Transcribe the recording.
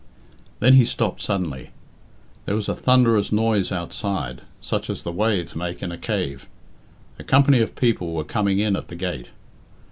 Then he stopped suddenly. There was a thunderous noise outside, such as the waves make in a cave. A company of people were coming in at the gate.